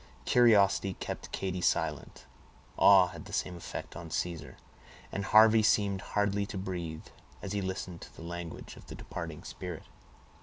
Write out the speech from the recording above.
Curiosity kept Katy silent; awe had the same effect on Caesar; and Harvey seemed hardly to breathe, as he listened to the language of the departing spirit.